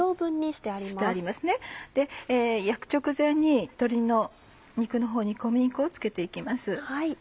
焼く直前に鶏肉のほうに小麦粉を付けて行きます。